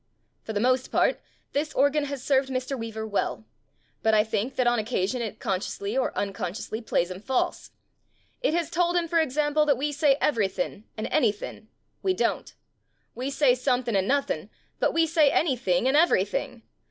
For the most part this organ has served Mr. Weaver well. But I think that on occasion it consciously or un consciously plays him false. It has told him, for example, that we say everythin' sjid anythin\ We don't. We say somethin' and noth%n\ but we say anything and everything.